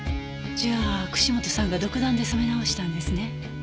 じゃあ串本さんが独断で染め直したんですね？